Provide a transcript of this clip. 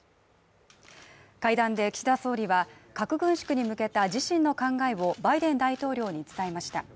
会談で岸田総理は、核軍縮に向けた自身の考えをバイデン大統領に伝えました。